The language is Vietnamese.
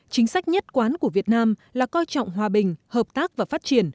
chính sách nhất quán của việt nam là coi trọng hòa bình hợp tác và phát triển